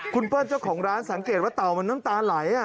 คุณเปิ้ลเจ้าของร้านสังเกตว่าเต่ามันน้ำตาไหล